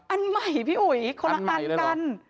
อันใหม่พี่อุ๋ยคนละอันกัน